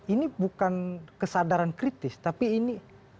ini bukan kesadaran kritis tapi ini